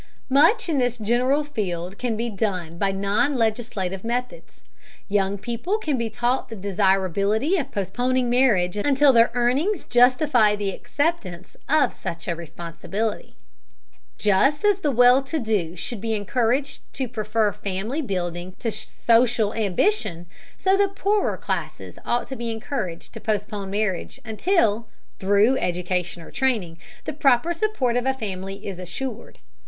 Much in this general field can be done by non legislative methods. Young people can be taught the desirability of postponing marriage until their earnings justify the acceptance of such a responsibility. Just as the well to do should be encouraged to prefer family building to social ambition, so the poorer classes ought to be encouraged to postpone marriage until, through education or training, the proper support of a family is assured.